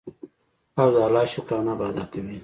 او د الله شکرانه به ادا کوي.